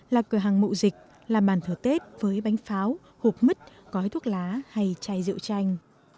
là cửa hàng mụ dịch là bàn thửa tết với bánh pháo hụt mứt gói thuốc lá hay chai rượu chanh